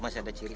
masih ada ciri